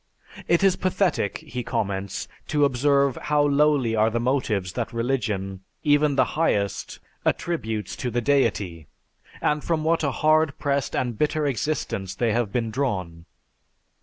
"It is pathetic," he comments, "to observe how lowly are the motives that religion, even the highest, attributes to the deity, and from what a hard pressed and bitter existence they have been drawn.